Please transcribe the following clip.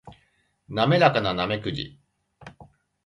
滑らかなナメクジ